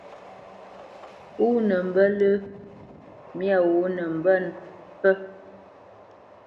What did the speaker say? Pó nə mbə́ lə́ myâ wǒ nə mbə́ mpfə́.